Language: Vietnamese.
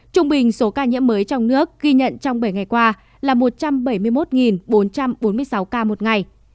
trung bình số ca nhiễm mới trong nước ghi nhận trong bảy ngày qua là một trăm bảy mươi một bốn trăm bốn mươi sáu ca một ngày